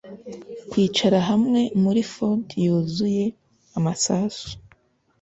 kwicara hamwe muri ford yuzuye amasasu